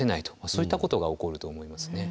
そういったことが起こると思いますね。